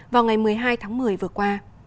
vào ngày một mươi hai tháng một mươi vừa qua